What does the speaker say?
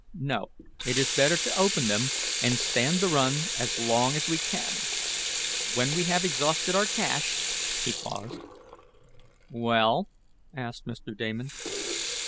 No, it is better to open them, and stand the run as long as we can. When we have exhausted our cash " he paused. "Well?" asked Mr. Damon.